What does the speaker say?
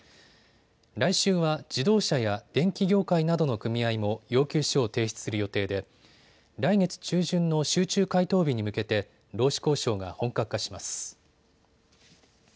来週は自動車や電機業界などの組合も要求書を提出する予定で来月中旬の集中回答日に向けて労使交渉が本格化します。